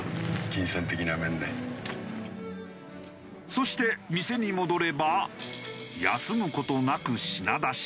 そして店に戻れば休む事なく品出し。